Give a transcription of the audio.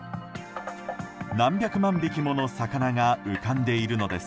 何百万匹もの魚が浮かんでいるのです。